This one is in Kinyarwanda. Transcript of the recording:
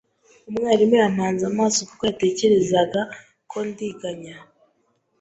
Umwarimu yampanze amaso kuko yatekerezaga ko ndiganya